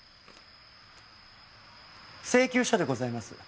請求書でございます。